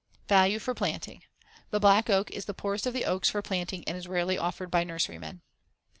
Value for planting: The black oak is the poorest of the oaks for planting and is rarely offered by nurserymen.